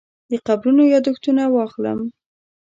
د قبرونو یاداښتونه واخلم.